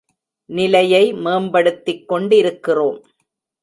நிலையை மேம்படுத்திக் கொண்டிருக்கிறோம்.